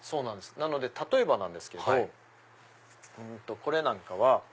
なので例えばなんですけどこれなんかは。